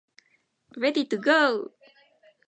Ready to Go!